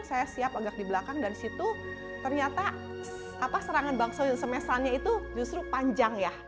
saya siap agak di belakang dan disitu ternyata serangan bang soyun semesannya itu justru panjang ya